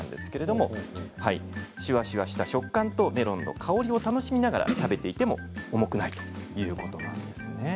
シュワシュワした食感とメロンの香りを楽しみながら食べていても重くないということです。